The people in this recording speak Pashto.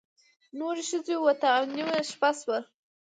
نورې ښځې ووتې او نیمه شپه شوه.